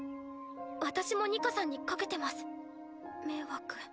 私もニカさんにかけてます迷惑。